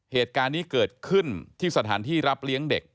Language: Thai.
เหตุการณ์นี้เกิดขึ้นที่สถานที่รับเลี้ยงเด็ก